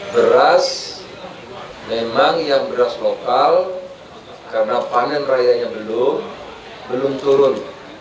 beras memang yang beras lokal karena panen rayanya belum belum turun